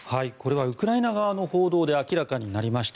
ウクライナ側の報道で明らかになりました。